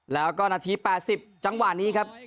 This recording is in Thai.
แล้วก็นาที๘๐จังหวะนี้ครับ